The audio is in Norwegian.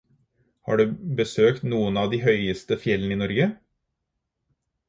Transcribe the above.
Har du besøkt noen av de høyeste fjellene i Norge?